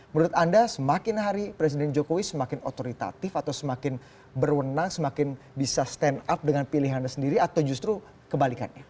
menurut anda semakin hari presiden jokowi semakin otoritatif atau semakin berwenang semakin bisa stand up dengan pilihannya sendiri atau justru kebalikannya